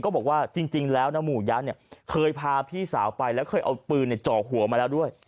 บอกว่าจริงแล้วนะหมู่ยะเนี่ยเคยพาพี่สาวไปแล้วเคยเอาปืนจ่อหัวมาแล้วด้วย